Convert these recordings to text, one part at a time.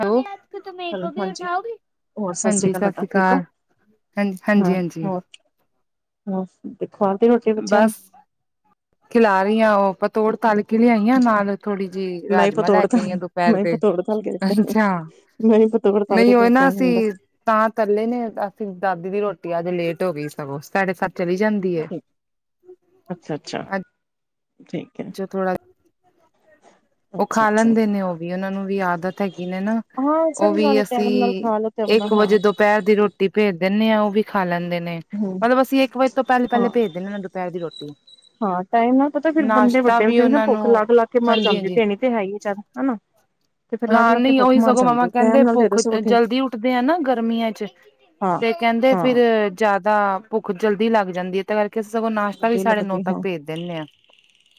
Hello hello ਹਾਂਜੀ ਹੋਰ ਸਤਿ ਹਾਂਜੀ ਸਤ ਬੇਟਾ ਸ੍ਰੀ ਠੀਕ ਹੋ। ਅਕਾਲ ਹਾਂਜੀ ਹਾਂਜੀ ਹਾਂਜੀ ਦੇਖਾ ਤੇ ਰੋਟੇ ਬੱਚਿਆਂ ਬਸ ਨੂੰ ਖਿਲਾ ਰਹੀ ਹਾਂ ਉਹ ਆਪਾਂ ਤੋੜ ਤਲ ਲਿਆਈ ਆ ਨਾਲ ਥੋੜ੍ਹੀ ਜਿਹੀ ਮੈਂ ਹੀ ਰਾਜਮਾਂ ਲੈ ਪਤੋੜ ਕੇ ਤਲ ਆਈਆਂ ਦੁਪਹਿਰ ਦੇ ਅੱਛਾ ਮੇਰੇ ਸੇ ਤੋਂੜ ਤਲ ਕੇ ਨਹੀਂ ਉਹ ਨਾ ਦੇਖਿਆ ਨਿ ਅਸੀਂ ਜਾਂਦਾ ਤਾਂ ਇਕੱਲੇ ਨੇ ਅਸੀਂ ਦਾਦੀ ਦੀ ਰੋਟੀ ਆਜ ਲੇਟ ਹੋ ਗਈ ਸਗੋਂ ਸਾਡੇ ਸੱਤ ਚਲੀ ਜਾਂਦੀ ਠੀਕ ਅੱਛਾ ਅੱਛਾ ਠੀਕ ਹੈ ਅੱਜ ਥੋੜਾ ਉਹ ਅੱਛਾ ਖਾ ਅੱਛਾ ਲੈਂਦੇ ਨੇ ਉਹ ਵੀ ਉਹਨਾਂ ਨੂੰ ਵੀ ਆਦਤ ਹੈਗੀ ਨੇ ਨਾ ਹਾਂ ਉਹ ਸਹੀ ਵੀ ਗੱਲ ਅਸੀਂ ਟਾਈਮ ਨਾਲ ਖਾ ਲੋ ਤੇ ਮਤਲਬ ਇੱਕ ਵਜੇ ਦੁਪਹਿਰ ਦੀ ਰੋਟੀ ਭੇਜ ਦਿੰਦੇ ਹਾਂ ਉਹ ਵੀ ਖਾ ਲੈਂਦੇ ਨੇ ਹਮ ਮਤਲਬ ਅਸੀਂ ਇੱਕ ਵਜੇ ਤੋਂ ਪਹਿਲੇ ਹਾਂ ਪਹਿਲੇ ਭੇਜ ਦੇਨੇ ਆ ਦੁਪਹਿਰ ਦੀ ਰੋਟੀ ਹਾਂ ਟਾਈਮ ਨਾਲ ਪਤਾ ਫੇਿਰ ਬੰਦੇ ਨਾਸ਼ਤਾ ਵੱਡੇ ਹੁੰਦੇ ਵੀ ਨਾ ਉਹਨਾਂ ਭੁੱਖ ਨੂੰ ਲੱਗ ਲਾਗ ਕੇ ਮਰ ਹਾਂਜੀ ਜਾਂਦੀ ਹਾਂਜੀ ਤੇਣੀ ਤੇ ਹੈ ਉ ਚੱਲ ਹਨਾ ਤੇ ਫੇਰ ਲੱਗ ਹਾਂ ਲੱਗ ਕੇ ਨਹੀਂ ਭੁੱਖ ਉਹੀ ਮਰ ਸਗੋਂ ਮਾਮਾ ਜਾਂਦੀ ਟਾਈਮ ਕਹਿੰਦੇ ਨਾਲ ਦੇ ਦੋ ਭੁੱਖ ਸਗੋਂ ਠੀਕ ਜਲਦੀ ਉੱਠਦੇ ਆ ਨਾ ਗਰਮੀਆਂ ਚ ਹਾਂ ਤੇ ਕਹਿੰਦੇ ਹਾਂ ਫਿਰ ਜਿਆਦਾ ਭੁੱਖ ਜਲਦੀ ਲੱਗ ਜਾਂਦੀ ਕਰਕੇ ਅਸੀਂ ਸਗੋਂ ਨਾਸ਼ਤਾ ਵੀ ਲੱਗਦੀ ਸਾਡੇ ਨੂੰ ਲੱਗਦੀ ਤੱਕ ਹਾਂ ਭੇਜ ਦਿੰਦੇ ਹਾਂ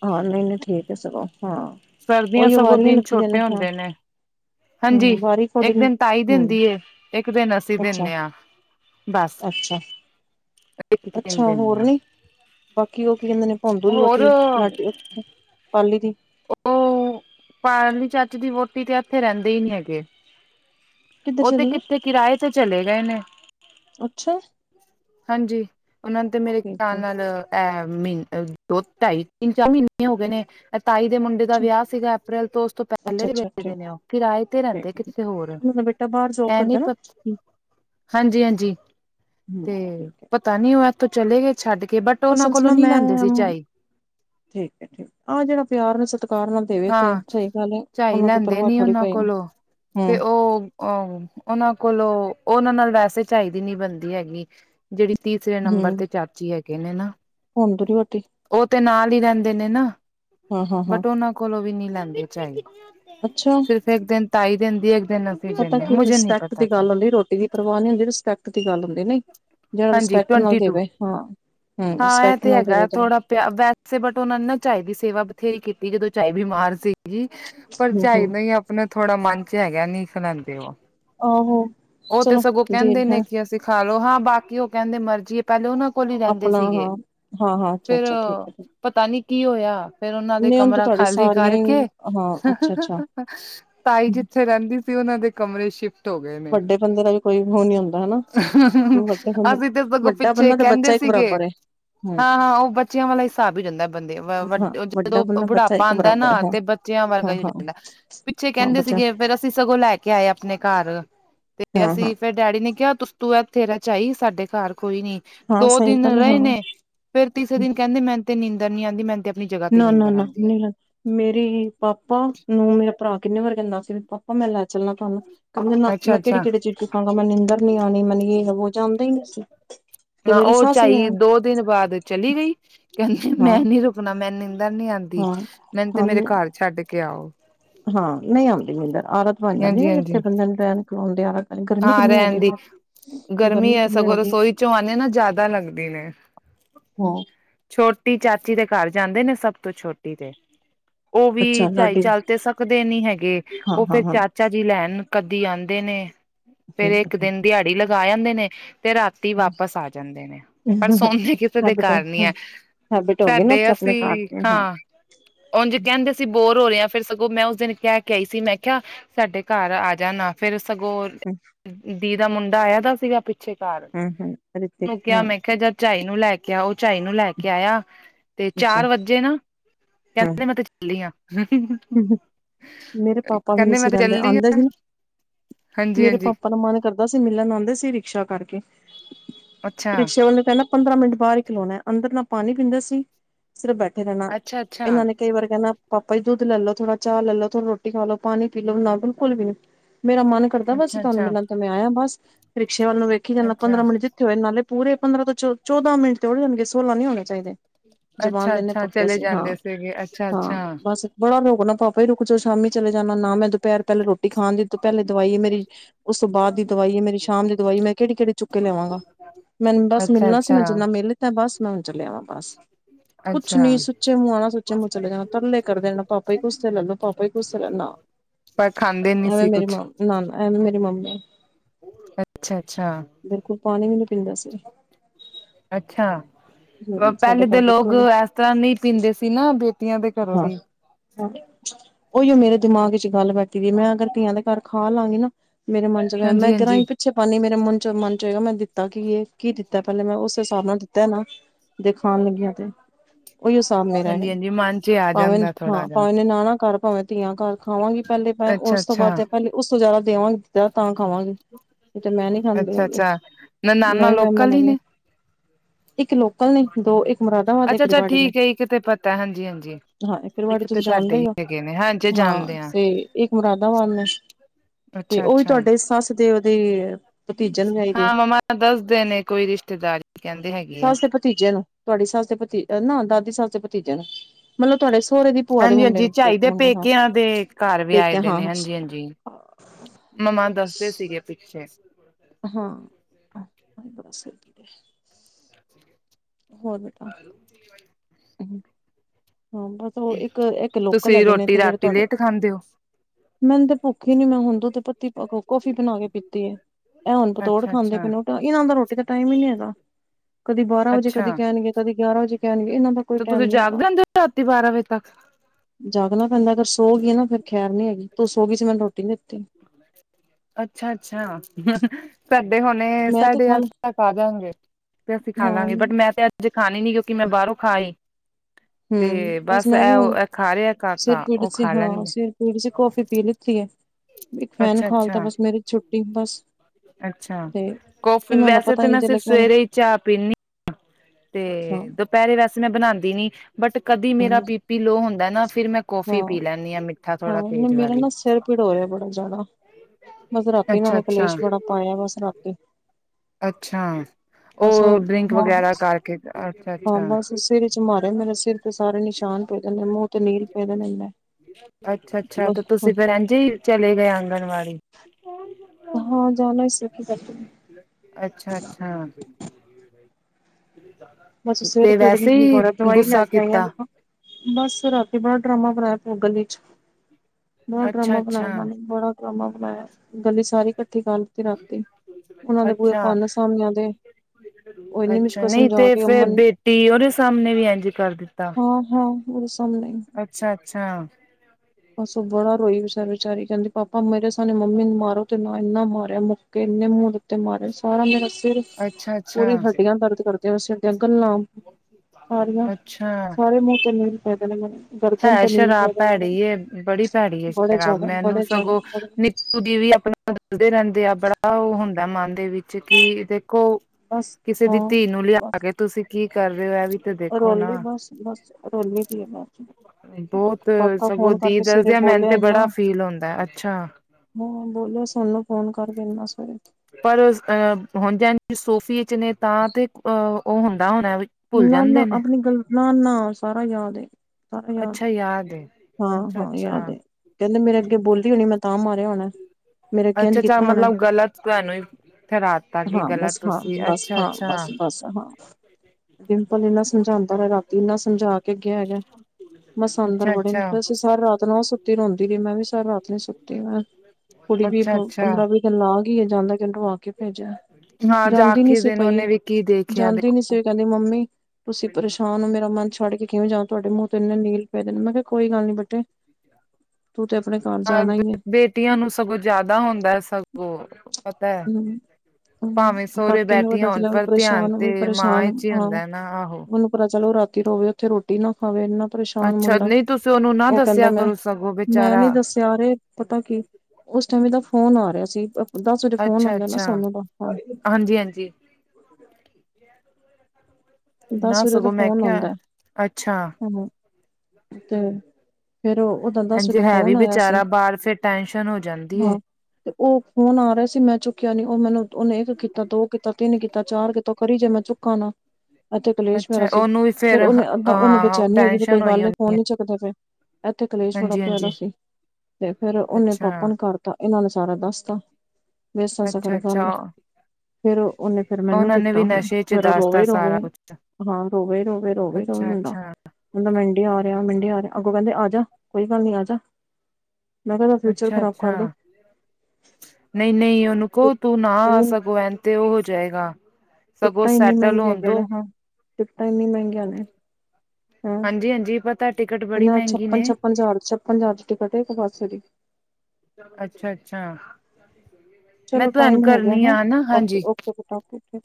ਹਾਂ ਨਹੀਂ ਨਹੀਂ ਠੀਕ ਹੈ ਸਗੋਂ ਹਾਂ ਸਰਦੀਆਂ ਉਹੀ ਓ ਸਗੋਂ ਵਾਰੀਆਂ ਦਿਨ ਲੱਗ ਜਾ ਨੇ ਛੋਟੇ ਹਾਂ ਹੁੰਦੇ ਹਾਂਜੀ ਹੂੰ ਵਾਰੀ ਇੱਕ ਅਕੋਰਡਿੰਗ ਦਿਨ ਤਾਈ ਹੂੰ ਦਿੰਦੀ ਇੱਕ ਦਿਨ ਅਸੀਂ ਅੱਛਾ ਦਿੰਦੇ ਹਾਂ ਬਸ ਅੱਛਾ ਇੱਕ ਇੱਕ ਦਿਨ ਅੱਛਾ ਦਿੰਦੇ ਹੋਰ ਹਾਂ ਨੀ ਬਾਕੀ ਉਹ ਕੀ ਕਹਿੰਦੇ ਨੇ ਭੌਦੂ ਦੀ ਹੋਰ ਵੂਟੀ ਲਾਡੀ ਪੈਲੇ ਦੀ ਉਹ ਪਾਲਲੀ ਚਾਚੇ ਦੀ ਵਹੁਟੀ ਤੇ ਇੱਥੇ ਰਹਿੰਦੇ ਹੀ ਨੀ ਹੈਗੇ ਕਿੱਧਰ ਉਹ ਤੇ ਚਲੇ ਗਏ ਕਿੱਥੇ ਕਿਰਾਏ ਤੇ ਚਲੇ ਗਏ ਨੇ ਅੱਛਾ ਹਾਂਜੀ ਉਹਨਾਂ ਤੇ ਮੇਰੇ ਠੀਕ ਖਿਆਲ ਹੈ ਨਾਲ ਅਹ ਮਹੀ ਦੋ ਢਾਈ ਤਿੰਨ ਚਾਰ ਮਹੀਨੇ ਹੋ ਗਏ ਨੇ ਤਾਈ ਦੇ ਮੁੰਡੇ ਦਾ ਅੱਛਾ ਵਿਆਹ ਸੀਗਾ ਅਪ੍ਰੈਲ ਤੋਂ ਉਸ ਤੋਂ ਪਹਿਲੇ ਅੱਛਾ ਅੱਛਾ ਵੇਚਦੇ ਠੀਕ ਨੇ ਉਹ ਕਿਰਾਏ ਤੇ ਰਹਿੰਦੇ ਠੀਕ ਕਿਥੇ ਹੋਰ ਉਹਨਾਂ ਦਾ ਬੇਟਾ ਬਾਹਰ ਜੋਬ ਇਹ ਨੀ ਕਰਦਾ ਨਾ ਪਤਾ ਹਾਂਜੀ ਹਾਂਜੀ ਹੂੰ ਤੇ ਠੀਕ ਹੈ ਪਤਾ ਨੀ ਹੋ ਇਥੋਂ ਚਲੇ ਗਏ ਛੱਡ ਕੇ ਬਟ ਉਹਨਾਂ ਅਸਲ ਚ ਕੋਲੋਂ ਨਾ ਨੀ ਮੈਂ ਲੈਂਂਦੇ ਸੀ ਚਾਈ ਠੀਕ ਠੀਕ ਆਹ ਜਦੋਂ ਪਿਆਰ ਨਾ ਸਤਿਕਾਰ ਨਾਲ ਦੇਵੇ ਤੇ ਹਾਂ ਸਹੀ ਗੱਲ ਹੈ ਚਾਈ ਉਹਨਾਂ ਕੋਈ ਲੈਂਦੇ ਪ੍ਰਭਾਵ ਨੀ ਥੋੜ੍ਹੀ ਉਹਨਾਂ ਪਏ ਕੋਲੋਂ ਤੇ ਹੂੰ ਉਹ ਉਹ ਉਹਨਾਂ ਕੋਲੋਂ ਉਹਨਾਂ ਨਾਲ ਵੈਸੇ ਚਾਹੀਦੀ, ਨੀ ਬਣਦੀ ਹੈਗੀ। ਜਿਹੜੀ ਤੀਸਰੇ ਨੰਬਰ ਹੂੰ ਤੇ ਚਾਚੀ ਹੈਗੇ ਨੇ ਨਾ, ਭੌਂਦੂ ਦੀ ਵਹੁਟੀ ਉਹ ਤੇ ਨਾਲ ਹੀ ਰਹਿੰਦੇ ਨੇ ਨਾ ਹਾਂ ਹਾਂ ਹਾਂ ਬਟ ਉਹਨਾਂ ਕੋਲੋਂ ਵੀ ਨਹੀਂ ਲੈਂਦੇ ਚਾਹੀ ਅੱਛਾ। ਸਿਰਫ ਇੱਕ ਦਿਨ ਤਾਈ ਦਿੰਦੀ, ਇੱਕ ਦਿਨ ਅਸੀਂ ਪਤਾ ਦਿੰਦੇ ਕੀ ਮੁਝੇ ਨਹੀਂ ਰਿਸਪੈਕਟ ਦੀ ਪਤਾ ਗੱਲ ਹੁੰਦੀ ਰੋਟੀ ਦੀ ਪਰਵਾਹ ਨਹੀਂ ਹੁੰਦੀ, ਰਿਸਪੈਕਟ ਦੀ ਗੱਲ ਹੁੰਦੀ ਨਹੀਂ। ਜਿਹੜਾ ਹਾਂਜੀ ਰਿਸਪੈਕਟ ਨਾਲ ਟਵੰਟੀ ਟੂ। ਦੇਵੇ ਹਾਂ, ਹੂੰ ਰਿਸਪੈਕਟ ਨਾਲ ਦੇਵੇ ਜਿਹੜਾ ਪ ਵੈਸੇ, ਬਟ, ਉਹ ਨੇ ਨਾ ਚਾਈ ਦੀ ਸੇਵਾ ਬਥੇਰੀ ਕੀਤੀ, ਜਦੋਂ ਝਾਈ ਬਿਮਾਰ ਸੀ, ਤੇ ਪਰ ਹਮ ਝਾਈ ਹਮ ਨੂੰ ਹੀ ਆਪਣਾ ਥੋੜ੍ਹਾ ਮਨ ਚ ਹੈਗਾ, ਨਹੀਂ ਖਲਾਂਦੇ ਉਹ ਆਹੋ ਉਹ ਤੇ ਚਲੋ ਸਗੋਂ ਜੀ ਕਹਿੰਦੇ ਨੇ ਹੈ ਕਿ ਅਸੀਂ ਖਾ ਲਓ ਹਾਂ, ਬਾਕੀ ਉਹ ਕਹਿੰਦੇ ਮਰਜ਼ੀ ਪਹਿਲੇ ਉਹਨਾਂ ਕੋਲ ਹੀ ਰਹਿੰਦੇ ਆਪਣਾ ਸੀਗੇ, ਹਾਂ ਹਾਂ ਹਾਂ ਅੱਛਾ ਫੇਰ ਅੱਛਾ ਠੀਕ ਹੈ ਪਤਾ ਨੀ ਕੀ ਹੋਇਆ। ਫੇਰ ਉਹਨਾਂ ਦੇ ਨਹੀਂ ਹੁਣ ਤਾਂ ਕਮਰਾ ਤੁਹਾਡੀ ਖਾਲੀ ਸਾਰੀਆਂ ਹੀ ਕਰਕੇ ਹਾਂ ਅੱਛਾ ਅੱਛਾ ਤਾਈ ਜਿੱ ਉਥੇ ਰਹਿੰਦੀ ਸੀ, ਉਹਨਾਂ ਦੇ ਕਮਰੇ ਸ਼ਿਫ ਹੋ ਗਏ ਨੇ, ਵੱਡੇ ਬੰਦੇ ਦਾ ਵੀ ਕੋਈ ਉਹ ਨੀ ਹੁੰਦਾ ਹਨਾ ਵੱਡੇ ਬੰਦੇ ਅਸੀਂ ਤੇ ਵੱਡਾ ਪਿੱਛੇ ਬੰਦਾ ਤੇ ਕਹਿੰਦੇ ਬੱਚਾ ਇੱਕ ਸੀਗੇ ਬਰਾਬਰ ਹੈ ਹਮ ਹਾਂ, ਹਾਂ, ਉਹ ਬੱਚਿਆਂ ਵਾਲਾ ਹਿਸਾਬ ਹੀ ਜਾਂਦਾ ਬੰਦੇ ਹਾਂ ਵੱਡ ਵੱਡਾ ਬੰਦਾ ਬੱਚਾ ਬੁਢਾਪਾ ਇੱਕ ਆਉਂਦਾ ਬਰਾਬਰ ਹੈ ਨਾ ਹਾਂ ਤੇ ਬੱਚਿਆਂ ਵਰਗਾ ਹਾਂ ਹੀ ਹਾਂ ਰਹਿੰਦਾ, ਪਿੱਛੇ ਹਾਂ ਕਹਿੰਦੇ ਬੱਚਾ ਸੀਗੇ ਫੇਰ ਅਸੀਂ ਸਗੋਂ ਲੈ ਕੇ ਆਏ, ਆਪਣੇ ਘਰ ਤੇ ਹਾਂ ਹਾਂ ਅਸੀਂ ਫਿਰ ਡੈਡੀ ਨੇ ਕਿਹਾ, ਤੂੰ ਇਥੇ ਰੇਹ ਚਾਈ ਸਾਡੇ ਘਰ ਕੋਈ ਨੀ ਹਾਂ ਦੋ ਸਹੀ ਦਿਨ ਗੱਲ ਹੈ ਰਹੇ ਹਾਂ ਨੇ ਫੇਰ ਤੀਸਰੇ ਦਿਨ ਕਹਿੰਦੇ ਮੈ ਤੇ ਨਿੰਦਰ ਨੀ ਆਂਦੀ ਮੈਂ ਤੇ ਆਪਣੀ ਜਗਾ ਨਾ, ਨਾ, ਨਾ, ਨਹੀਂ ਨਾ ਮੇਰੀ ਪਾਪਾ ਨੂੰ ਮੇਰਾ ਭਰਾ ਕਿੰਨੇ ਵਾਰ ਕਹਿੰਦਾ ਸੀਗਾ ਉਹ ਮੈਂ ਲੈ ਚੱਲਾ ਤੁਹਾਨੂੰ ਕਹਿੰਦਾ ਮੈਂ ਅੱਛਾ-ਅੱਛਾ ਕਿਹੜੀ-ਕਿਹੜੇ ਚੀਜ਼ ਰਾਤਾਂ ਮੈਂ ਨਿੰਦਰ ਨੀ ਆਉਣੀ ਮਤਲਬ ਇਹ ਜਾਂਦਾ ਹੀ ਨੀ ਸੀ। ਤੇ ਮੇਰੀ ਉਹ ਸੱਸ ਵੀ ਚਾਈ ਐਵੇਂ ਦੋ ਦਿਨ ਬਾਅਦ ਚਲੀ ਗਈ ਕਹਿੰਦੇ, ਮੈਂ ਹਾਂ-ਹਾਂ ਨੀ ਰੁਕਣਾ ਮੈਂ ਨਿੰਦਰ ਨੀ ਆਉਂਦੀ। ਹਾਂ ਮੈਨੂੰ ਤੇ ਮੇਰੇ ਹਾਂ ਘਰ ਛੱਡ ਕੇ ਆਓ। ਹਾਂ, ਨਹੀਂ ਆਉਂਦੀ ਨਿੰਦਰ ਆਦਤ ਬਣ ਜਾਂਦੀ ਹਾਂਜੀ ਨਾ ਜਿੱਥੇ ਹਾਂਜੀ ਬੰਦੇ ਨੂੰ ਰਹਿਣ ਦੀ ਸੋਦੇ ਆ। ਗਰਮੀ ਹਾਂ ਕਿੰਨੀ ਹੋ ਰਹਿਣ ਗੀ ਦੀ ਫਿਰ ਗਰਮੀ ਹੈ, ਕਿੰਨੀ ਹੋ ਸਗੋਂ ਗਈ ਹੈ। ਰਸੋਈ ਚੋਂ ਆਉਂਦੇ ਨਾ ਜ਼ਿਆਦਾ ਲੱਗਦੀ ਨੇ ਹਾਂ। ਛੋਟੀ ਚਾਚੀ ਦੇ ਘਰ ਜਾਂਦੇ ਨੇ ਸਭ ਤੋਂ ਛੋਟੀ ਦੇ ਉਹ ਵੀ ਅੱਛਾ ਚਾਈ ਲਾਡੀ ਚੱਲ ਤੇ ਸਕਦੇ ਨੀ ਹੈਗੇ, ਉਹ ਫੇਰ ਹਾਂ-ਹਾਂ-ਹਾਂ ਚਾਚਾ ਜੀ ਲੈਣ ਕੱਦੀ ਆਉਂਦੇ ਨੇ, ਫੇਰ ਠੀਕ ਹੈ ਇੱਕ ਠੀਕ ਦਿਨ ਦਿਹਾੜੀ ਲਗਾ ਜਾਂਦੇ ਨੇ ਤੇ ਰਾਤੀ ਤੀ ਹੈ। ਵਾਪਿਸ ਆ ਜਾਂਦੇ ਨੇ ਪਰ ਸੋਨੇ ਕਿਸੇ ਦੇ ਹੈਬਿਟ ਘਰ ਨੀ ਹੈ। ਹੈਬਿਟ ਹੋ ਗਈ ਨਾ ਸਾਡੇ ਉੱਥੇ ਆਪਣੇ ਅਸੀਂ ਘਰ ਤੇ ਹਾਂ, ਉਝ ਕਹਿੰਦੇ ਸੀ ਬੋਰ ਹੋ ਰਹੇ ਹਾਂ, ਫਿਰ ਸਗੋਂ ਮੈਂ ਉਸ ਦਿਨ ਕਹਿ ਕੇ ਆਈ ਸੀ, ਮੈਂ ਕਿਹਾ ਸਾਡੇ ਘਰ ਆ ਜਾਣਾ, ਫੇਰ ਸਗੋਂ ਹਾਂ। ਦੀ ਦਾ ਮੁੰਡਾ ਆਇਆ ਦਾ ਸੀਗਾ, ਪਿੱਛੇ ਕਾਰ ਹੂੰ-ਹੂੰ-ਹੂੰ ਰਿਤਿਕ ਕਿਹਾ, ਹਾਂ ਮੈਂ ਕਿਹਾ ਜਦ ਚਾਈ ਨੂੰ ਲੈ ਕੇ ਆਓ, ਚਾਈ ਨੂੰ ਲੈ ਕੇ ਆਇਆ ਤੇ ਅੱਛਾ ਚਾਰ ਵੱਜੇ ਨਾ ਕਹਿੰਦੇ, ਹਾਂ ਮੈਂ ਤ ਚੱਲੀਆਂ ਮੇਰੇ ਪਾਪਾ ਵੀ ਨਹੀਂ ਸੀ ਤੇ ਰੈਂਦੇ ਚੱਲੀ ਆਉਂਦੇ ਆ ਸੀ, ਹਾਂਜੀ ਮੇਰੇ ਪਾਪਾ ਹਾਂਜੀ ਆਪਾਂ ਦਾ ਮਨ ਕਰਦਾ ਸੀ, ਮਿਲਣ ਆਉਂਦੇ ਸੀ ਰਿਕਸ਼ਾ ਕਰਕੇ, ਅੱਛਾ ਰਿਕਸ਼ੇ ਵੱਲ ਨੂੰ ਕਹਿੰਣਾ ਪੰਦਰਾਂ ਮਿੰਟ ਬਾਹਰ ਹੀ ਖਲਾਉਣਾ ਅੰਦਰ ਨਾ ਪਾਣੀ ਪੀਂਦਾ ਸੀ, ਸਿਰਫ ਬੈਠੇ ਰਹਿਣਾ ਅੱਛਾ ਅੱਛਾ ਇਹਨਾਂ ਨੇ ਕਈ ਵਰਗ ਨਾ ਪਾਪਾ ਹੀ ਦੁੱਧ ਲੈਲੋ, ਥੋੜਾ ਚਾਹ ਲੈ ਲ ਲੋ, ਥੋੜਾ ਰੋਟੀ ਖਾਲੋ, ਪਾਣੀ ਪੀਲੋ ਨਾ ਬਿਲਕੁਲ ਵੀ ਨ ਮੇਰਾ ਮਨ ਕਰਦਾ ਬਸ ਅੱਛਾ ਤੁਹਾਨੂੰ ਅੱਛਾ ਮਿਲ ਮੈਂ ਆਇਆ ਬਸ, ਰਿਕਸ਼ੇ ਵੱਲ ਨੂੰ ਵੇਖੀ ਜਾਂਦਾ ਅੱਛਾ ਪੰਦਰਾਂ ਮਿੰਟ ਚ ਏ ਨਾਲੇ ਪੂਰੇ ਪੰਦਰਾਂ ਤੋਂ ਚ ਚੌਦਾਂ ਮਿੰਟ ਤੇ ੜ ਜਾਣਗੇ ਸੋਲਾਂ ਨੀ ਹੋਣੇ ਚਾਹੀਦੇ ਜਵਾਨ ਅੱਛਾ ਦੇਨੇ ਅੱਛਾ ਪੱਕੇ ਚਲੇ ਸੀ ਹਾਂ, ਜਾਂਦੇ ਸੀਗੇ ਅੱਛਾ ਹਾਂ, ਅੱਛਾ ਬਸ ਬੜਾ ਰੁ ਨਾ ਪਾਪਾ ਹੀ ਰੁਕ ਜਾੋ ਸ਼ਾਮੀ ਚਲੇ ਜਾਣਾ ਨਾ, ਮੈਂ ਦੁਪਹਿਰ ਪਹਿਲੇ ਰੋਟੀ ਖਾਣ ਦੀ ਪਹਿਲੇ ਦਵਾਈਏ ਮੇਰੀ ਉਸ ਤੋਂ ਬਾਅਦ ਦੀ ਦਵਾਈ ਹੈ, ਮੇਰੀ ਸ਼ਾਮ ਦੀ ਦਵਾਈ, ਮੈਂ ਕਿਹੜੀ-ਕਿਹੜੀ ਚੁੱਕ ਕੇ ਲਿਆਵਾਂਗਾ। ਮੈਨ ਬਸ ਅੱਛਾ ਮਿਲਣਾ ਸੀ ਅੱਛਾ ਮੈਂ ਜਿੰਨਾ ਮਿਲ ਬਸ, ਮੈਂ ਹੁਣ ਚਲੇਿਆ ਆ ਬਸ, ਕੁਛ ਨੀ ਅੱਛਾ ਸੁੱਚੇ ਮੂੰਹ ਆਉਣਾ ਸੁੱਚੇ ਮੂੰਹ ਚਲੇ ਜਾਣਾ ਤਰਲੇ ਕਰ ਦੇਣਾ ਪਾਪਾ ਹੀ ਕੁਛ ਲੈ ਲੂੰ ਪਾਪਾ ਹੀ ਕੁਛ ਲਣਾ ਪਰ ਖਾਂਦੇ ਨੀ ਐਵੇਂ ਸੀ ਮੇਰੀ ਕੁਛ ਮਾਂ ਨਾ ਨਾ ਐਵੇਂ ਮੇਰੀ ਮੰਮੀ ਅੱਛਾ ਅੱਛਾ, ਬਿਲਕੁਲ ਪਾਣੀ ਵੀ ਨੀ ਪੀਂਦਾ ਸੀ। ਅੱਛਾ, ਸਾਡੇ ਪਹਿਲੇ ਘਰ ਤਾਂ ਲੋਕ ਬਿਲਕੁਲ ਇਸ ਤਰ੍ਹਾਂ ਨਹੀਂ ਪੀਂਦੇ ਸੀ ਨਾ। ਤਿਆਂ ਦੇ ਘਰੋਂ ਹਾਂ ਦੀ ਉਹੀਓ ਮੇਰੇ ਦਿਮਾਗ ਚ ਗੱਲ ਬੈਠ ਦੀ ਮੈਂ ਅਗਰ ਤੀਆਂ ਦੇ ਘਰ ਖਾ ਲਵਾਂਗੀ ਨਾ। ਮੇਰੇ ਮਨ ਚ ਮੈਂ ਹਾਂਜੀ ਗਰਾਾਂ ਹਾਂਜੀ ਹੀ ਪਿੱਛੇ ਪਾਉਂਦੀ ਮੇਰੇ ਮਨ ਚ ਮਨ ਚ ਹੋਏਗਾ ਮੈਂ ਦਿੱਤਾ ਕੀ ਇਹ ਕੀ ਦਿੱਤਾ ਦਿੱਤਾ ਪਹਿਲੇ ਮੈਂ ਉਸ ਹਿਸਾਬ ਨਾਲ ਦਿੱਤਾ ਨਾ ਦੇ ਖਾਣ ਲੱਗੀਆਂ ਤੇ ਉਹੀ ਹਿਸਾਬ ਮੇਰਾ ਹਾਂਜੀ ਹੈ। ਹਾਂਜੀ ਮਨ ਚ ਆ ਭਵੇਨ ਜਾਂਦਾ ਹਾਂ ਥੋੜਾ ਜਿਹਾ ਭਵੇ ਨਨਾਣਾ ਘਰ ਭਾਵੇਂ। ਤਿਆਂ ਘਰ ਖਾਵਾਂਗੀ ਪਹਿਲੇ ਅੱਛਾ ਉਸ ਤੋਂ ਅੱਛਾ ਬਾਅਦ ਪਹਿਲੇ ਉਸ ਤੋਂ ਜ਼ਿਆਦਾ ਦੇਵਾਂਗੀ ਜ ਤਾਂ ਖਾਵਾਂਗੇ। ਜੈ ਤੇ ਮੈਂ ਨੀ ਖਾਂਦੇ ਅੱਛਾ ਹੈਗੇ ਅੱਛਾ ਮੈਂ ਨਨਾਨਾ ਵੀ ਮਹਿਮਾਂ ਲੋਕਲ ਹੀ ਲਗੇ। ਨੇ ਇੱਕ ਲੋਕਲ ਨੇ ਦੋ, ਇੱਕ ਮੁਰਾਦਾਬਾਦ ਇੱਕ ਰੀਵਾੜੀ ਨੇ ਇਥੇ ਤੇ ਪਤਾ ਤਾਂ ਹਾਂਜੀ ਹਾਂਜੀ ਹਾਂ ਇਕ ਰੇਵਾੜੀ ਇੱਕ ਤੇ ਤੁਸੀਂ ਸਾਡੇ ਜਾਣਦੇ ਹੀ ਹੋ ਹੈਗੇ ਨੇ ਹਾਂਜੀ ਹਾਂ ਜਾਣਦੇ ਤੇ ਇੱਕ ਮੁਰਾਦਾਬਾਦ ਨੇ ਤੇ ਅੱਛਾ ਉਹ ਵੀ ਅੱਛਾ ਤੁਹਾਡੇ ਸੱਸ ਦੇ ਉਹਦੇ ਭਤੀਜੇ ਨੂੰ ਵਿਆਈ ਦੀ ਹਾਂ ਮੰਮਾ ਦੱਸਦੇ ਨੇ ਕੋਈ ਰਿਸ਼ਤੇਦਾਰੀ ਕਹਿੰਦੇ ਹੈਗੇ ਆ। ਸੱਸ ਦੇ ਭਤੀਜੇ ਨੂੰ, ਤੁਹਾਡੀ ਸਸ ਤੇ ਭਤੀ ਨਾ ਦਾਦੀ ਸਸ ਦੇ ਭਤੀਜੇ ਨੂੰ, ਮਤਲਬ ਤੁਹਾਡੇ ਸਹੁਰਰੇ ਦੀ ਭੂਆ ਦੇ ਹਾਂਜੀ ਮੁੰਡੇ ਹਾਂਜੀ ਨੂੰ ਚਾਈ ਦੇ ਮੁੰਡੇ ਹਾਂ ਪੇਕਿਆਂ ਦੇ ਘਰ ਵੀਆਏ ਪੇਕਿਆ ਦੇ ਹਾਂ ਨੇ ਹਾਂਜੀ ਹਾਂਜੀ ਮਮਾ ਦੱਸਦੇ ਸੀਗੇ ਪਿੱਛੇ ਹਾਂ ਹਾਏ ਬੜਾ ਸੀਰ ਦੁੱਖ ਹੋਰ ਵੈ ਹੈਲੋ ਹਾਂ ਬਸ ਉਹ ਇੱਕ ਇੱਕ ਲੋਕਲ ਤੁਸੀਂ ਹੈਗੇ ਨੇ ਰੋਟੀ ਤੇ ਜਿਹੜੇ ਰਾਤੀ ਤੁਹਾਡੇ ਲੇਟ ਖਾਂਦੇ ਹੋ ਮੈਨੂੰ ਭੁੱਖ ਹੀ ਨੀ ਮੈਂ ਹੁਣ ਦੁੱਧ ਪੱਤੀ ਕਾਫੀ ਬਣਾ ਕੇ ਪੀਤੀ ਆ ਇਹ ਹੁਣ ਪਤੋੜ ਅੱਛਾ ਖਾਂਦੇ ਪਏ ਅੱਛਾ ਨੇ ਇਹਨਾਂ ਦਾ ਰੋਟੀ ਦਾ ਟਾਈਮ ਹੀ ਨਹੀਂੀ ਹੈਗਾ ਕਦੀ ਬਾਰਾਂ ਵਜੇ ਕਦੀ ਅੱਛਾ ਕਹਿਣਗੇ ਕਦੇ ਗਿਆਰਾਂ ਵਜੇ ਕਹਿਣਗੇ ਇਹਨਾਂ ਦਾ ਕੋਈ ਤੇ ਟਾਈਮ ਤੁਸੀਂ ਨੀ ਜਾਗ ਹੈਗਾ ਜਾਂਦੇ ਰਾਤੀ ਬਾਰਾਂ ਵਜੇ ਤੱਕ ਜਾਗ ਨਾ ਪੈਂਦਾ ਅਗਰ ਸੋ ਗਈ ਨਾ ਫਿਰ ਖੈਰ ਨੀ ਹੈਗੀ ਤੂੰ ਸੋ ਗਈ ਸੀ ਮੈਨੂੰ ਰੋਟੀ ਨ ਦਿੱਤੀ। ਅੱਛਾ ਅੱਛਾ ਕਰਦੇ ਹੁਣੇ ਮੈਂ ਤੇ ਸਾਡੇ ਖਾ ਅੱਜ ਲ ਤੱਕ ਆ ਜਾਗੇ ਤੇ ਅਸੀਂ ਖਾ ਹਾਂ ਲਵਾਂਗੇ ਬਟ ਮੈਂ ਤੇ ਅੱਜ ਅੇ ਖਾਣੀ ਨੀ ਕਿਉਕਿ ਮੈਂ ਬਾਰੋ ਖਾਈ ਆਈ ਹਮ ਤੇ ਬਸ ਮੈਂ ਵੀ ਇਹ ਹੁਣ ਉਹ ਇਹ ਖਾ ਰਿਹਾ ਕਾਕਾ ਉਹ ਖਾ ਲੈਣਗੇ ਵੈਸੇ ਕਫੀ ਪੀ ਲਿੱਤੀ ਹੈ ਇੱਕ ਫੈਨ ਅੱਛਾ ਖਾਓ ਤੇ ਅੱਛਾ ਬਸ ਮੇਰੀ ਛੁੱਟੀ ਬਸ ਅੱਛਾ ਤੇ ਕਫੀ ਇਹਨਾਂ ਦਾ ਵੈਸੇ ਪਤਾ ਤਾਂ ਨੀ ਮੈਂ ਜੇ ਸਿਰਫ ਲੱਗਿਆ ਸਵੇਰੇ ਹੀ ਚਾਹ ਪੀਂਨੀ ਅੱਛਾ ਤੇ ਦੁਪਹਿਰੇ ਵੈਸੇ ਮੈਂ ਬਣਾਉਂਦੀ ਨੀ ਬਟ ਕਦੀ ਮੇਰਾ ਹਾਂ ਬੀਪੀ ਲੋਹ ਹੁੰਦਾ ਨਾ ਫਿਰ ਮੈਂ ਕੋਫੀ ਪੀ ਲੈਂਦੀ ਆਾਂ ਮਿੱਠਾ ਥੋੜਾ ਤੇਜ਼ ਵਾਲੀ ਫਿਰ ਰੋਇਆ ਬੜਾ ਜਿਆਦਾ ਬਸ ਰਾਤੀ ਨਾਲ ਅੱਛਾ ਨੇ ਅੱਛਾ ਕਲੇਸ਼ ਬੜਾ ਪਾਇਆ ਬਸ ਰਾਤੀ ਅੱਛਾ ਬਸ ਉਹ ਡਰਿੰਕ ਮੋਰ ਵਗੈਰਾ ਕਰਕੇ ਅੱਛਾ ਹਾਂ ਅੱਛਾ ਬਸ ਸਿਰ ਚ ਮਾਰਿਆ ਮੇਰੇ ਸਿਰ ਸਾਰੇ ਨਿਸ਼ਾਨ ਪੈ ਜਾਂਦੇ ਨੇ ਮੂੰਹ ਤੇ ਨੀਲ ਪੈਂ ਅੱਛਾ ਅੱਛਾ ਤੇ ਤੁਸੀਂ ਫੇਿਰ ਇੰਝ ਚਲੇ ਗਏ ਆਂਗਣਵਾੜੀ ਹੋਰ ਜਾਣਾ ਹਾਂ ਜਾਣਾ ਹੀ ਸੀ ਕਿ ਕਰਦੇ ਅੱਛਾ ਅੱਛਾ ਸੀਰ ਤੇ ਭੀੜ ਨਿ ਵੈਸੇ ਠੀਕ ਹੀ ਹੋ ਰਿਹਾ ਦਵਾਈ ਲੈ ਗੁੱਸਾ ਕੇ ਆਈਆ ਕੀਤਾ ਦੇਖੋ ਬਸ ਰਾਤੀ ਬੜਾ ਡਰਾਮਾ ਬਣਾਇਆ ਪੋਗਲ ਵਿੱਚ ਬੜਾ ਅੱਛਾ ਡਰਾਮਾ ਬਣਾਇਆ ਅੱਛਾ ਇਹਨਾਂ ਨੇ ਬੜਾ ਾ ਬਣਾ ਗਲੀ ਸਾਰੀ ਇਕੱਠੀ ਕਰ ਤੇ ਰਾਤੀ ਉਨਾਂ ਦੇ ਬੂਏ ਅੱਛਾ ਭਨ ਸਾਮਨੇਆਂ ਦੇ, ਓ ਏਨੀ ਅੱਛਾ ਮੁਸ਼ਕਲ ਨਹੀਂ ਸਮਜਾ ਤੇ ਫੇਰ ਬੇਟੀ ਓਦੇ ਸਾਮਨੇ ਵੀ ਏਂਜ ਕਰ ਦਿਤਾ [unintelligible] ਅੱਛਾ, ਅੱਛਾ। ਬਸ ਐ ਬੜਾ ਰੋਈ ਵਿਚਰ, ਵਿਚਾਰੀ ਕੈੰਦੀ ਪਾਪਾ ਮੇਰੇ ਸਾਮਨੇ ਮੰਮੀ ਨੂ ਮਾਰੋ ਤੇ ਨਾ ਏਨਾ ਮਾਰੇਆ ਮੁੱਕੇ ਇੰਨੇ ਮੂੰਹ ਤੇ ਮਾਰੇ ਸਾਰਾ ਮੇਰਾ ਸਿਰ, ਅੱਛਾ ਪੂਰੀ ਅੱਛਾ ਹੱਡੀਆਂ ਦਰਦ ਕਰਦੀਆਂ ਸਿਰ ਦੀਆਂ ਗੱਲਾਂ ਸਾਰੀਆਂ, ਅੱਛਾ ਸਾਰੇ ਮੂੰਹ ਤੇ ਨੀਲ ਪੈਗੇ ਨੇ, ਮੈਨੂੰ ਗਰਦਨ ਹੈ ਤੇ ਨੀਲ ਪੈ ਸ਼ਰਾਬ ਗਏ ਨੇ ਭੈੜੀ ਏ, ਬੜੀ ਭੈੜੀ ਏ ਬੜੇ ਸ਼ਰਾਬ, ਜ਼ਿਆਦਾ ਮੈਨੂੰ ਬੜੇ ਜ਼ਿਆਦਾ ਸਗੋਂ ਬੜੇ ਨਿ [unintelligible] ਦਸਦੇ ਰੈਂਦੇ ਆ, ਬੜਾ ਓ ਹੋਂਦਾ ਐ ਮਨ ਦੇ ਵਿੱਚ, ਕਿ ਦੇਖੋ ਬਸ ਕਿਸੇ ਦੀ ਹਾਂ ਧੀ ਨੂ ਲੇਆ ਬਸ ਕੇ ਤੂਸੀ ਕੀ ਕਰੇਔ ਏਵੀ ਰੋਲੀ ਬਸ, ਬਸ ਰੋਲੀਗੀ ਮੈਂ ਬੋਤ, ਸਗੋਂ ਦੀ ਕਰਕੇ ਸਵੇਰੇ ਦੱਸਦੇ ਐ ਮੈਨ ਬੋਲਿਆ ਤੇ ਬੜਾ ਫੀਲ ਹੋਂਦੈ, ਅੱਛਾ ਹੂੰ, ਬੋਲਆ ਸਾਨੂ ਫੋਨ ਕਾਰਕੇ ਏਨਾ ਸਵੇਰੇ ਪਰ ਅ ਹੁਣ ਜਾ ਸੂਫੀ਼ ਇਚ ਨੇ ਤਾਂ ਤੇ ਅ ਓ ਹੁੰਦਾ ਹੋਣਾ ਵੀ ਨਾ, ਨਾ ਅਪਣੀ ਗਲ ਨਾ, ਨਾ ਸਾਰਾ ਯਾਦ ਏ ਸਾਰਾ ਅੱਛਾ, ਏ ਯਾਦ ਏ ਹਾਂ, ਅੱਛਾ ਹਾਂ ਯਾਦ ਅੱਛਾ ਏ, ਕੈਂਦੇ ਮੇਰੇ ਅਗੇ ਬੋਲੀ ਹੋਣੀ ਏ ਮੈਂ ਤਾਂ ਮਾਰੇਆ ਹੋਣਾ ਅੱਛਾ ਅੱਛਾ [unintelligible] ਮਤਲਬ ਗਲਤ ਤੁਹਾਨੂੰ ਠਹਿਰਾਤਾ ਕਿ ਹਾਂ, ਗਲਤ ਬਸ ਹਾਂ, ਤੁਸੀਂ ਬਸ ਅੱਛਾ ਹਾਂ, ਅੱਛਾ ਬਸ, ਬਸ ਹਾਂ, ਡਿੰਪਲ ਇੰਨਾ ਸਮਜਾਂਦਾ ਰੇਆ ਰਾਤੀ, ਇਨਾ ਸਮਜਾ ਕੇ ਗੇਆ ਹੈਗਾ, ਮਸਾ ਅੰਦਰ ਅੱਛਾ ਅੱਛਾ ਵੜੇਨ ਛੇ ਸਾਰੀ ਰਾਤ ਨਾ ਓ ਸੁੱਤੀ ਰੋਂਦੀ ਰੀ ਮੈਂ ਵੀ ਸਾਰੀ ਰਾਤ ਨੀ ਸੁੱਤੀ ਮੈਂ ਕੁੜੀ ਵੀ ਪ, ਅੱਛਾ ਅੱਛਾ ਪੰਦਰਾਂ ਵੀਹ ਦਿਨ ਲਾ ਗੀ ਏ, ਜਾਂਦੇ ਦੇਨ ਰੂਆ ਕੇ ਭੇਜੈ ਹਾਂ ਜਾ ਜਾਂਦੀ ਨੀ ਕੇ ਸੀ ਦਿਨ ਪਈ, ਉਹਨੇ ਵੀ ਕੀ ਦੇਖਿਆ ਦੇਖੋ ਜਾਂਦੀ ਸੇ ਕੈਂਦੀ ਮੰਮੀ, ਤੁਸੀਂ ਪਰੇਸ਼ਾਨ ਓ, ਮੇਰਾ ਮਨ ਛੱਡ ਕੇ ਕਿਵੇਂ ਜਾਓ ਤੂਆਡੇੂ ਮੂੰਹ ਤੇ ਇਨੇ ਨੀਲ ਪਏਦੇ ਨੇ, ਮੈਂ ਕੇਆ ਕੋਈ ਗਲ ਨੀ ਬੇਟੇ ਤੂੰ ਤੇ ਆਪਣੇ ਘਰ ਹਾਂ ਜਾਣਾ ਬ, ਹੀ ਏ ਬੇਟੀਆਂ ਨੂ ਸਗੋ ਜਾਦਾ ਹੁੰਦੈ ਸਗੋ, ਪਤੈ ਹੂੰ ਭਾਵੇਂ ਹੂੰ ਸੋਰੇ ਕਾਕੇ ਨੂੰ ਬੈਠੀਆਂ ਪਤਾ ਹੋਨ ਚਲਿਆ ਵੀ ਪਰ ਧੇਆਨ ਪਰੇਸ਼ਾਨ ਵੀ ਤੇ, ਮਾਂ ਪਰੇਸ਼ਾਨ ਇਚ ਈ ਹਾਂ ਹੁੰਦੈ ਨਾ ਆਹੋ ਉਹਨੂੰ ਪਤਾ ਚਲੇ ਓ ਰਾਤੀ ਰੋਵੇ ਉਥੇ ਰੋਟੀ ਨਾ ਖਾਵੇ ਏਨਾ ਪਰੇਸ਼ਾਨ ਅੱਛਾ ਮੁੰਡਾ, ਨਹੀਂ ਤੁਸੀਂ ਉਹਨੂੰ ਨਾ ਓ ਕੈਂਦਾ ਦੱਸਿਆ ਮੈਂ, ਕਰੋ ਸਗੋਂ ਬੇਚਾਰਾ ਮੈਂਵੀ ਦਸ ਪਿਆਰੇ, ਪਤਾ ਕੀ ਉਸ ਟੈਮ ਇਦਾ ਫੋਨ ਆ ਰੇਆ ਸੀ ਅ ਦਸ ਵਜੇ ਫੋਨ ਅੱਛਾ ਆਂਦੈ ਨਾ ਅੱਛਾ ਮਾਨੂ ਤਾ [unintelligible] ਹਾਂਜੀ, ਹਾਂਜੀ। ਦਸ ਨਾ ਵਜੇ ਤਾ ਸਗੋਂ ਮੈਂ ਫੋਨ ਕਿਹਾ ਆਂਦੈ, ਅੱਛਾ ਹੂੰ ਤੇ, ਫੇਰ ਓ ਏਂਜ ਹੈ ਵੀ ਵਿਚਾਰਾ ਬਾਰ ਫੇਰ ਟੈਨਸ਼ਨ ਹੋ ਜਾਂਦੀ ਏ ਹਾਂ ਤੇ ਓ, ਫੋਨ ਆ ਰੇਆ ਸੀ ਮੈਂ ਚੁਕੇਆ ਨੀ ਓ ਮੈਨੂੰ, ਓਨੇ ਏਕ ਕੀਤਾ ਦੋ ਕੀਤੇ ਤਿਨ ਕੀਤਾ, ਚਾਰ ਕਿਤੇ ਕਰੀ ਚਲੇ ਚੁਕਾ ਨਾ ਏਥੇ ਕਲੇਸ਼ ਪੇਰੇਆ ਅੱਛਾ ਸੀ, ਉਹਨੂੰ ਵੀ ਫੇਰ ਫਿਰ ਓਨੇ ਏਦਾਂ ਉਨੂ ਹਾਂ ਬੇਚੈਨੀ ਹੋਗੀ ਵੀ ਕੋਈ ਟੈਸ਼ਨ ਹੋਈ ਗਲ ਏ ਉਹਨੂੰ। ਫੋਨ ਨੀ ਚਕਦੇ ਪੇ ਏਥੇ ਕਲੇਸ਼ ਬੜਾ ਹਾਂਜੀ ਪੇਆਦਾ ਹਾਂਜੀ ਸੀ ਤੇ ਫੇਰ ਓਨੇ ਪਾਪਾ ਅੱਛਾ ਨੂ ਕਰਤਾ ਏਨਾਂ ਨੇ ਸਾਰਾ ਦਸਤਾ ਅੱਛਾ ਅੱਛਾ [unintelligible] ਫੇਰ, ਉਨੇ ਫੇਰ ਮੈਨੂ ਉਹਨਾਂ ਨੇ ਵੀ ਕੀਤਾ ਫੇਰ, ਨਸ਼ੇ ਚ ਫੇਰ ਓ ਦੱਸਤਾ ਰੋਵੇ ਈ ਰੋਵੇ ਸਾਰਾ ਕੁਛ ਹਾਂ, ਰੋਵੇ ਈ ਰੋਵੇ, ਰੋਵੇ ਈ ਰੋਵੇ ਅੱਛਾ ਮੁੰਡਾ ਅੱਛਾ ਬਂਦਾ ਮੰਡੇ ਆ ਰੇਆ, ਮੰਡੇ ਆ ਰੇਆ ਅਗੋਂ ਕੈਂਦੇ ਆ ਜਾ, ਕੋਈ ਗਲ ਨੀ ਆਜਾ ਅੱਛਾ, ਦੋ ਅੱਛਾ, ਨਈ, ਨਈ ਓਨੂ ਕਓ ਕਹਿੰਦੀ ਤੂ ਨਾ ਆ ਸਗੋ ਐਨ ਤੇ ਓ ਹੋ ਜਾਏਗਾ ਸਗੋਂ ਟਿਕਟਾਂ ਇਨੀ ਸੈਟਲ ਮੈੰਗੀਆਂ ਹੋਣ ਹੈਗੀਆਂ ਦੋ ਨੇ ਹਾਂ, ਟਿਕਟਾਂ ਇਨੀ ਮੈੰਗੀਆਂ ਨੇ ਹਾਂਜੀ, ਹਾਂਜੀ। ਪਤਾ ਟਿਕਟ ਬੜੀ ਪੰਜਾ, ਮਹਿੰਗੀ ਛੱਪਨ, ਨੇ ਛੱਪਨ ਜ੍ਹਾਰ, ਛੱਪਨ ਜ੍ਹਾਰ ਦੀ ਟਿਕਟ ਏ ਏਕ ਪਾਸੇ ਦੀ ਅੱਛਾ-ਅੱਛਾ ਮੈਂ ਚਲੋ ਤੁਹਾਨੂੰ ਟਾਈਮ ਹੋ ਗਿਆ ਕਰਨੀ ਹ ਆ ਹਨਾ ਓਕੇ ਹਾਂਜੀ। ਓਕੇ